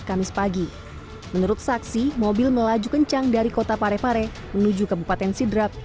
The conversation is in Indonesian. kamis pagi menurut saksi mobil melaju kencang dari kota parepare menuju kebupaten sidrap